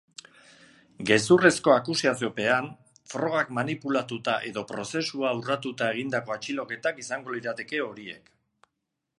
Gezurrezko akusaziopean, frogak manipulatuta edo prozesua urratuta egindako atxiloketak izango lirateke horiek.